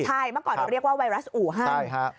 ใช่เมื่อก่อนเราเรียกว่าไวรัสอู่ฮั่น